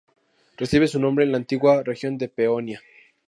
Recibe su nombre de la antigua región de Peonia.